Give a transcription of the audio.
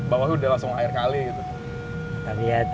bawahnya udah langsung air kali gitu